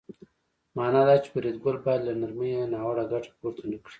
مانا دا چې فریدګل باید له نرمۍ ناوړه ګټه پورته نکړي